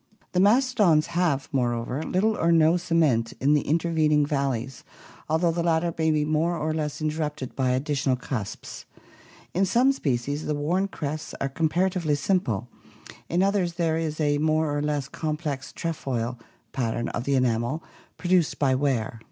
The mastodons have, moreover, little or no cement in the intervening valleys, although the latter may be more or less interrupted by additional cusps. In some species the worn crests are comparatively simple, in others there is a more or less complex "trefoil" pattern of the enamel produced by wear.